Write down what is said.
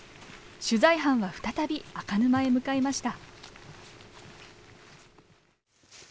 取材班は再び赤沼へ向かいました。